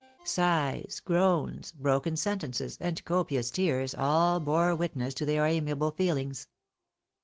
Sighs, groans, broken sentences, and copious tears, all bore witness to their amiable feelings.